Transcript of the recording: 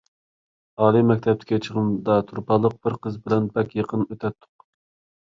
ئالىي مەكتەپتىكى چېغىمدا تۇرپانلىق بىر قىز بىلەن بەك يېقىن ئۆتەتتۇق.